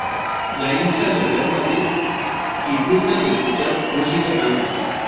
Es hincha del Real Madrid y gusta de escuchar música anglo.